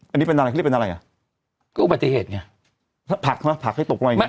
อันนี้เป็นอะไรเขาเรียกเป็นอะไรอ่ะก็อุบัติเหตุไงผักไหมผักให้ตกไว้